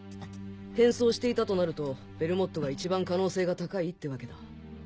変装していたとなるとベルモットが一番可能性が高いってわけだ。